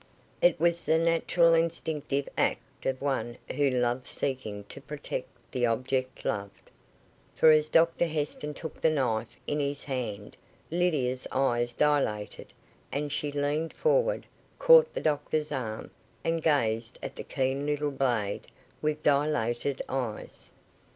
It was the natural instinctive act of one who loves seeking to protect the object loved. For as Dr Heston took the knife in his hand, Lydia's eyes dilated, and she leaned forward, caught the doctor's arm, and gazed at the keen little blade with dilated eyes.